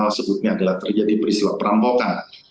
sebutnya adalah terjadi peristiwa perampokan